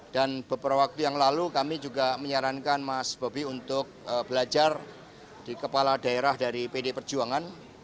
dan beberapa waktu yang lalu kami juga menyarankan mas bobi untuk belajar di kepala daerah dari pdi perjuangan